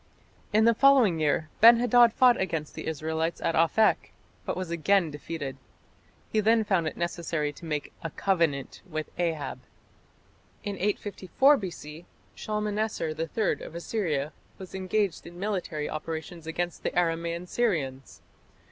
In the following year Ben hadad fought against the Israelites at Aphek, but was again defeated. He then found it necessary to make "a covenant" with Ahab. In 854 B.C. Shalmaneser III of Assyria was engaged in military operations against the Aramaean Syrians.